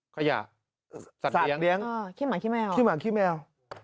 ขยะสัตว์เลี้ยงขี้หมาขี้แมว